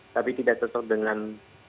tapi tidak cocok dengan